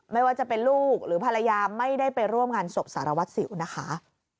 ไม่ว่าจะเป็นลูกหรือภรรยาไม่ได้ไปร่วมงานศพสารวัตรสิวนะคะ